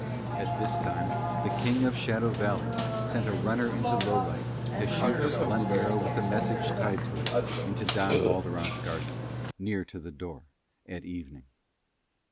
At this time the King of Shadow Valley sent a runner into Lowlight to shoot a blunt arrow with a message tied to it into Don Alderon's garden, near to the door, at evening.